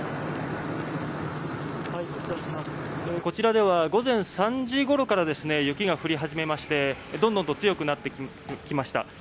こちらでは午前３時ごろから雪が降り始めましてどんどんと強くなってきました。